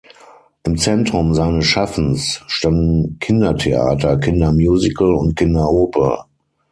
Im Zentrum seines Schaffens standen Kindertheater, Kindermusical und Kinderoper.